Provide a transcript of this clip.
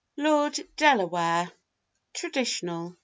LORD DELAWARE. (TRADITIONAL.)